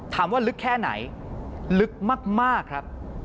ถามว่าลึกแค่ไหนลึกมากครับ